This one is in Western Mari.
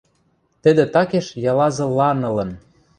Тӹдӹ такеш ялазыланылын.